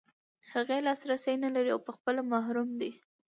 هغه لاسرسی نلري او په خپله محروم دی.